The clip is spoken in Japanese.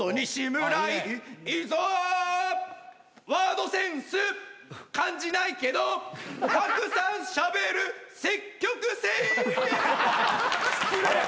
「ワードセンス感じないけどたくさんしゃべる積極性」失礼！